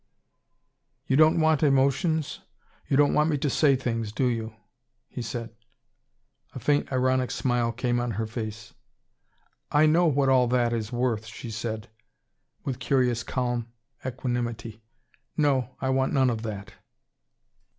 "You don't want emotions? You don't want me to say things, do you?" he said. A faint ironic smile came on her face. "I know what all that is worth," she said, with curious calm equanimity. "No, I want none of that."